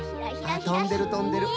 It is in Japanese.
あっとんでるとんでる。